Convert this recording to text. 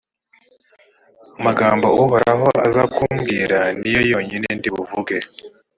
amagambo uhoraho aza kumbwira, ni yo yonyine ndi buvuge.»